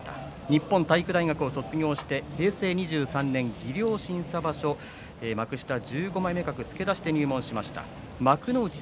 日本体育大学を卒業して平成２３年、技量審査場所幕下付け出しでデビューしました。